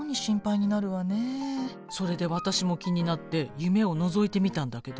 それで私も気になって夢をのぞいてみたんだけどね。